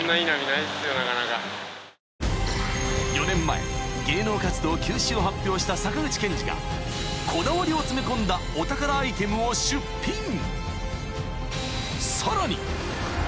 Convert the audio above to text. ［４年前芸能活動休止を発表した坂口憲二がこだわりを詰め込んだお宝アイテムを出品］